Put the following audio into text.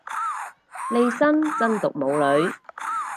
利申真毒冇女